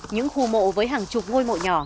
những khu mộ với hàng chục ngôi mộ nhỏ